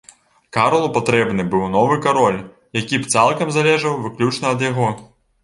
Карлу патрэбны быў новы кароль, які б цалкам залежаў выключна ад яго.